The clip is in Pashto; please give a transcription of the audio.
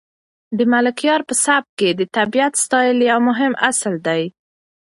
د ملکیار په سبک کې د طبیعت ستایل یو مهم اصل دی.